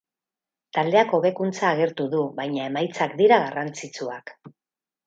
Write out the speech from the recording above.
Taldeak hobekuntza agertu du, baina emaitzak dira garrantzitsuak.